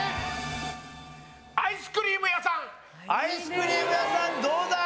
アイスクリーム屋さんどうだ？